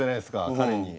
彼に。